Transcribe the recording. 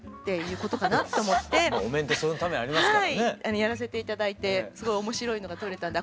やらせて頂いてすごい面白いのが撮れたんであ